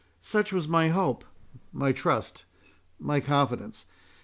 —Such was my hope—my trust—my confidence.